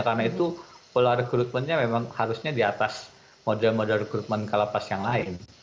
karena itu pola rekrutmennya memang harusnya di atas model model rekrutmen kla pas yang lain